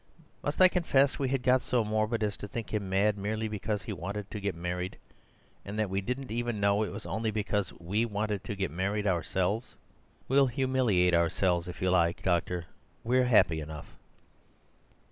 "Must I confess we had got so morbid as to think him mad merely because he wanted to get married; and that we didn't even know it was only because we wanted to get married ourselves? We'll humiliate ourselves, if you like, doctor; we're happy enough."